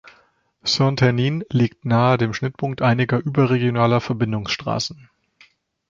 Saint-Hernin liegt nahe dem Schnittpunkt einiger überregionaler Verbindungsstraßen.